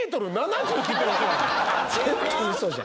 全部嘘じゃん。